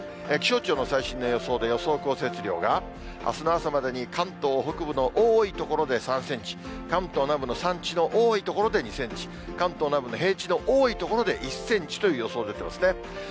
気象庁の最新の予想で予想降雪量が、あすの朝までに関東北部の多い所で３センチ、関東南部の山地の多い所で２センチ、関東南部の平地の多い所で１センチという予想になってますね。